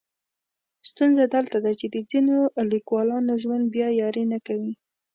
ستونزه دلته ده چې د ځینو لیکولانو ژوند بیا یاري نه کوي.